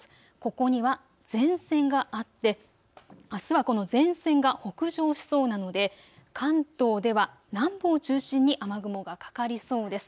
ここには前線があってあすはこの前線が北上しそうなので関東では南部を中心に雨雲がかかりそうです。